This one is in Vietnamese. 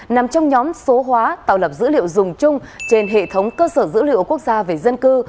nằm trong nhóm số hóa tạo lập dữ liệu dùng chung trên hệ thống cơ sở dữ liệu quốc gia về dân cư